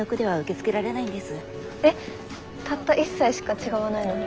えったった一歳しか違わないのに？